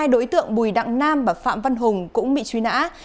hai đối tượng bùi đặng nam và phạm văn hùng cũng bị truy nã